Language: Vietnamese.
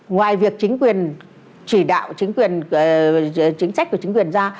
ngoài việc chính quyền chỉ đạo chính quyền chính sách của chính quyền ra